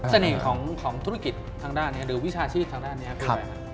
ของธุรกิจทางด้านนี้หรือวิชาชีพทางด้านนี้คืออะไรครับ